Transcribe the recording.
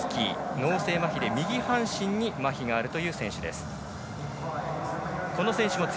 脳性まひで右半身にまひがある選手です。